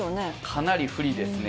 かなり不利ですね。